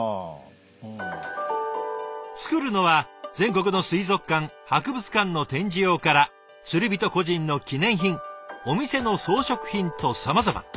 作るのは全国の水族館博物館の展示用から釣り人個人の記念品お店の装飾品とさまざま。